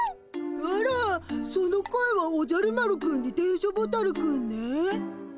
あらその声はおじゃる丸くんに電書ボタルくんね？